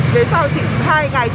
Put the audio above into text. xem là như thế nào cái này